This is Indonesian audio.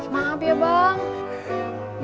maaf ya bang